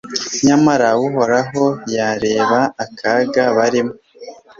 Nyamara Uhoraho yareba akaga barimo